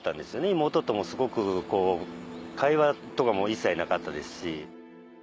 妹ともすごくこう会話とかも一切なかったですし。